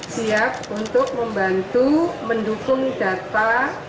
siap untuk membantu mendukung data